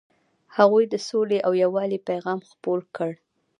هغوی د سولې او یووالي پیغام خپور کړ.